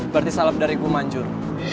berarti salep dari gue manjur